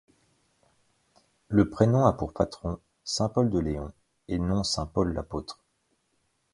Le prénom a pour patron, Saint-Pol de Léon, et non Saint Paul l'apôtre.